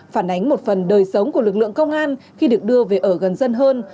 phản ánh một phần đời sống của lực lượng công an khi được đưa về ở gần dân hơn